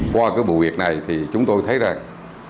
qua cái vụ việc này thì chúng tôi thấy rằng